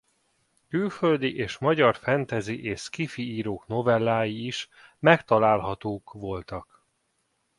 Külföldi és magyar fantasy és Sci-Fi írók novellái is megtalálhatók voltak.